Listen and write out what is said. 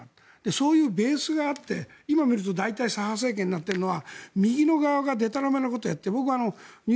そういうベースがあって今見ると、大体左派政権になっているのは右の側がいい加減なことをやっていた。